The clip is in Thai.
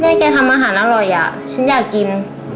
แกทำอาหารอร่อยอ่ะฉันอยากกิน